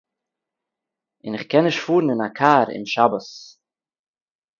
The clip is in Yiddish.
און איך קען נישט פאָרן אין אַ קאַר אום שבת